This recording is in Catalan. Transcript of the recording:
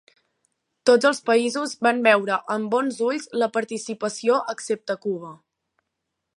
Tots els països van veure amb bons ulls la participació excepte Cuba.